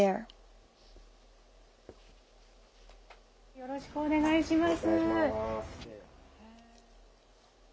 よろしくお願いします。